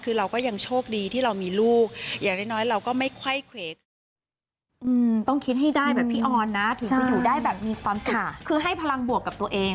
คือเราก็ยังโชคดีที่เรามีลูกอย่างน้อยเราก็ไม่ค่อยเขก